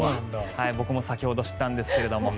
僕も先ほど知ったんですけれども。